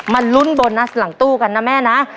มาลุ้นโบนัสหลังตู้กันนะแม่นะ